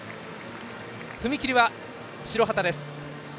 踏み切りは白旗です。